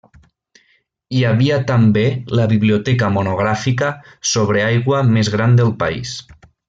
Hi havia també la Biblioteca monogràfica sobre aigua més gran del país.